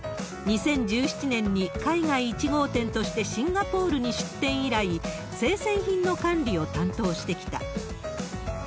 ２０１７年に海外１号店としてシンガポールに出店以来、生鮮品の管理を担当してきた。